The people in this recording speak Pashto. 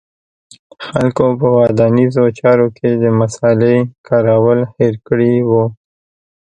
خلکو په ودانیزو چارو کې د مصالې کارول هېر کړي و